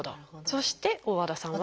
そして大和田さんは。